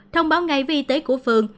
thông báo ngay với y tế của phường